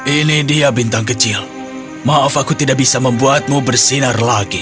ini dia bintang kecil maaf aku tidak bisa membuatmu bersinar lagi